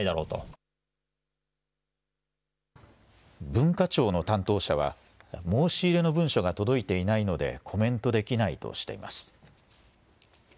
文化庁の担当者は申し入れの文書が届いていないのでコメントできないとしてます。